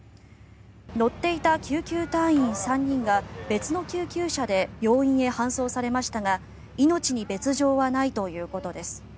乗っていた救急隊員３人が別の救急車で病院へ搬送されましたが命に別条はないということです。